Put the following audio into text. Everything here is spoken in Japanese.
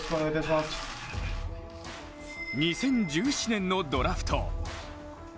２０１７年のドラフト。